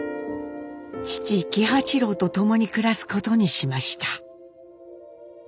父喜八郎と共に暮らすことにしました。